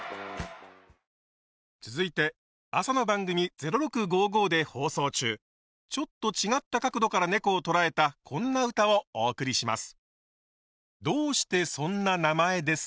続いて朝の番組「０６５５」で放送中ちょっと違った角度からねこを捉えたこんな歌をお送りします。